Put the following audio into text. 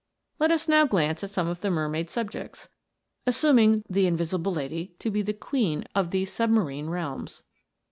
Let us now glance at some of the mermaid's subjects, assuming the invisible lady to be the queen of these submarine realms.